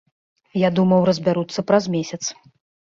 Я думаў, разбяруцца праз месяц.